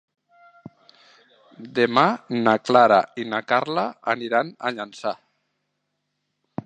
Demà na Clara i na Carla aniran a Llançà.